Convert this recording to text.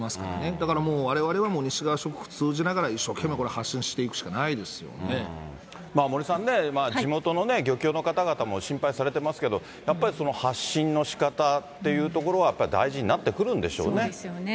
だからもう、われわれはもう西側諸国と通じながら一生懸命これ、発信していく森さんね、地元の漁協の方々も心配されてますけど、やっぱりその発信のしかたっていうところは大事になってくるんでそうですよね。